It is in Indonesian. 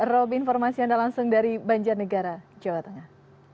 roby informasi anda langsung dari banjarnegara jawa tengah